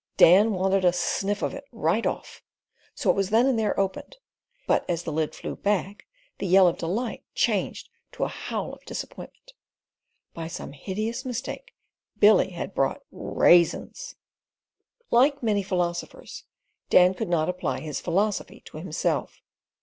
Dan wanted a "sniff of it right off," so it was then and there opened; but as the lid flew back the yell of delight changed to a howl of disappointment. By some hideous mistake, Billy had brought RAISINS. Like many philosophers, Dan could not apply his philosophy to himself.